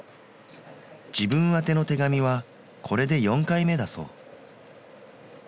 自分宛ての手紙はこれで４回目だそう。